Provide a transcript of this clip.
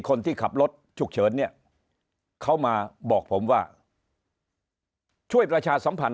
คนที่ขับรถฉุกเฉินเนี่ยเขามาบอกผมว่าช่วยประชาสัมพันธ